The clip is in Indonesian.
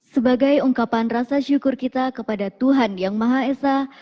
sebagai ungkapan rasa syukur kita kepada tuhan yang maha esa